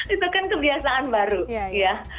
itu kan kebiasaan baru ya